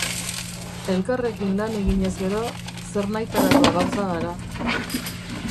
Elkarrekin lan eginez gero, zernahitarako gauza gara.